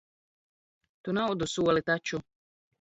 Tu naudu soli taču.